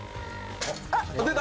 出た！